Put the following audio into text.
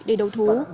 để đấu thú